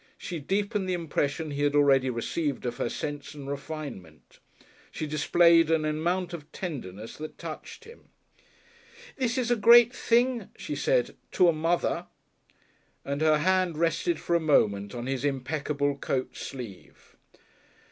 She deepened the impression he had already received of her sense and refinement. She displayed an amount of tenderness that touched him. "This is a great thing," she said, "to a mother," and her hand rested for a moment on his impeccable coat sleeve.